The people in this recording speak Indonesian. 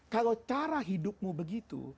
kalau cara hidupmu begitu